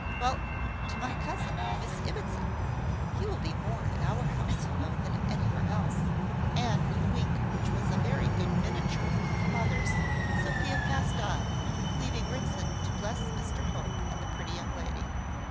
Well " "To my cousin, Miss Ibbotson. He will be more at our house, you know, than anywhere else." And with a wink which was a very good miniature of her mother's Sophia passed on, leaving Ritson to bless Mr Hope and the pretty young lady.